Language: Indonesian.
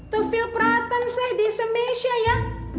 tuh phil pratt an sih di semesya ya